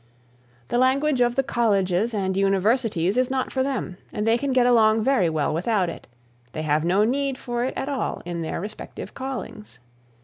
The language of the colleges and universities is not for them and they can get along very well without it; they have no need for it at all in their respective callings.